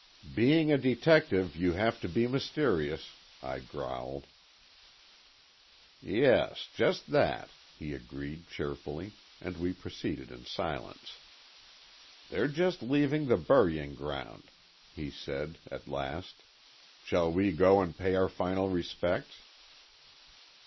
"Being a detective, you have to be mysterious," I growled. "Yes, just that," he agreed, cheerfully, and we proceeded in silence. "They're just leaving the burying ground," he said, at last. "Shall we go and pay our final respects?"